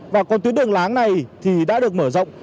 và còn tuyến đường láng này thì đã được mở rộng